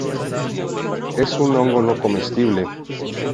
Es un hongo no comestible.